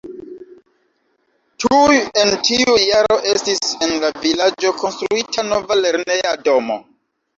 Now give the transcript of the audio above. Tuj en tiu jaro estis en la vilaĝo konstruita nova lerneja domo.